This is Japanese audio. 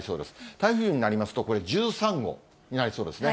台風になりますと、これ、１３号になりそうですね。